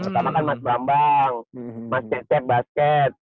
pertama kan mas bambang mas cecep basket